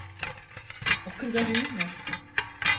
O kadar iyi mi?